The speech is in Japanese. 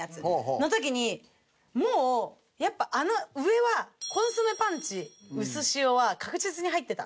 の時にもうやっぱあの上はコンソメパンチうすしおは確実に入ってた。